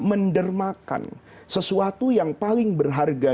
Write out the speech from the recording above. mendermakan sesuatu yang paling berharga